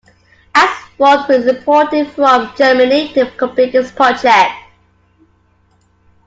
Asphalt was imported from Germany to complete the project.